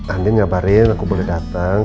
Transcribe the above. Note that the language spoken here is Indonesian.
andien ngabarin aku boleh datang